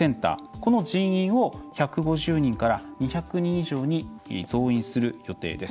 この人員を１５０人から２００人以上に増員する予定です。